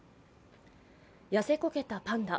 痩せこけたパンダ。